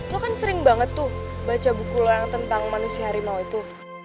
lo kan sering banget tuh baca buku lo yang tentang manusia harimau itu